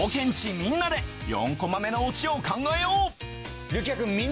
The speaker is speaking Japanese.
みんなで４コマ目のオチを考えようるきあくん